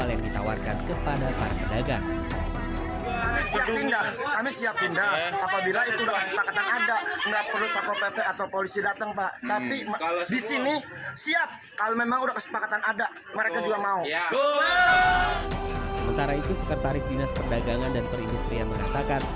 sementara itu sekretaris dinas perdagangan dan perindustrian mengatakan